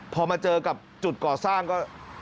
พอมาเจอกับจุดก่อสร้างก็